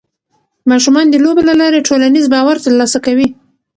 ماشومان د لوبو له لارې ټولنیز باور ترلاسه کوي.